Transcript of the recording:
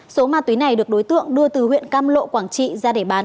số ma túy này được đối tượng đưa từ huyện cam lộ quảng trị ra để bán